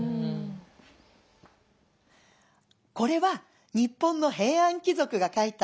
これは日本の平安貴族が書いた『更級日記』。